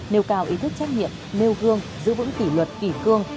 nêu cao ý thức trách nhiệm nêu gương giữ vững kỷ luật kỷ cương